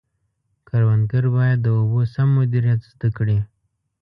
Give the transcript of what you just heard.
کروندګر باید د اوبو سم مدیریت زده کړي.